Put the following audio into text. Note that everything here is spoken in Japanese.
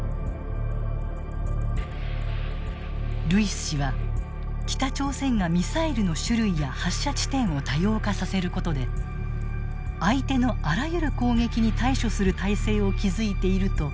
ルイス氏は北朝鮮がミサイルの種類や発射地点を多様化させることで相手のあらゆる攻撃に対処する態勢を築いていると分析する。